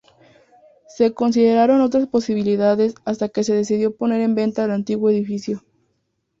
Se consideraron otras posibilidades hasta que se decidió poner en venta el antiguo edificio.